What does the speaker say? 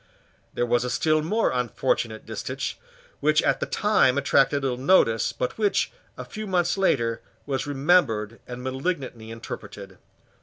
There was a still more unfortunate distich, which at the time attracted little notice, but which, a few months later, was remembered and malignantly interpreted.